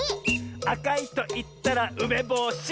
「あかいといったらうめぼし！」